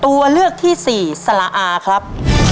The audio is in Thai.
ตัวเลือกที่สี่สละอาครับ